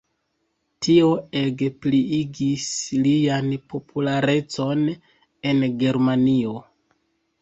Tio ege pliigis lian popularecon en Germanio.